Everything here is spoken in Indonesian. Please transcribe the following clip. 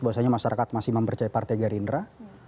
bahwasanya masyarakat masih mempercaya partai gerindra